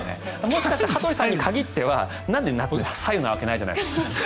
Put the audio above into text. もしかしたら羽鳥さんに限っては白湯なわけないじゃないですか。